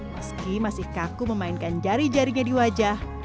meski masih kaku memainkan jari jarinya di wajah